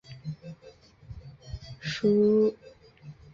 鼢鼠属等数种哺乳动物。